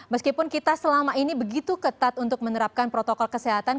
meskipun kita selama ini begitu ketat untuk menerapkan protokol kesehatan